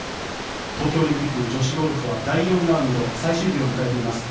東京オリンピックの女子ゴルフは、第４ラウンド最終日を迎えています。